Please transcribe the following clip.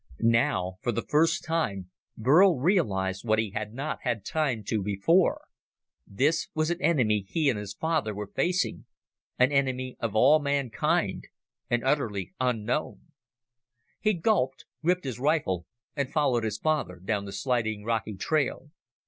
Now, for the first time, Burl realized what he had not had time to before this was an enemy he and his father were facing an enemy of all mankind and utterly unknown. He gulped, gripped his rifle, and followed his father down the sliding rocky trail.